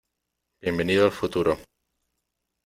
bienvenido al futuro .